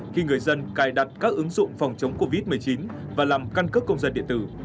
khi người dân cài đặt các ứng dụng phòng chống covid một mươi chín và làm căn cước công dân địa tử